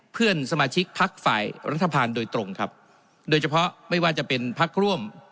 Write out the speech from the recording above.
เพื่อนสมาชิกพักฝ่ายรัฐบาลโดยตรงครับโดยเฉพาะไม่ว่าจะเป็นพักร่วม